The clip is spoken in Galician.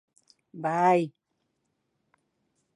Vai.